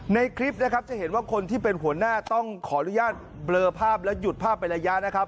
ในคลิปนะครับจะเห็นว่าคนที่เป็นหัวหน้าต้องขออนุญาตเบลอภาพแล้วหยุดภาพไประยะนะครับ